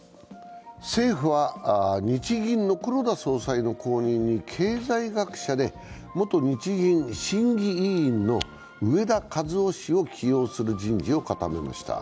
政府は日銀の黒田総裁の後任に経済学者で元日銀審議委員の植田和男氏を起用する人事を固めました。